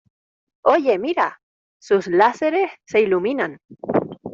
¡ Oye, mira! Sus láseres se iluminan.